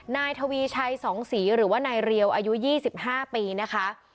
นายทวีชัย๒ศรีหรือว่านายเรียวอายุ๒๕ปีนะคะ